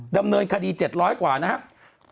ดำเนินคดี๗๐๐กว่านะครับ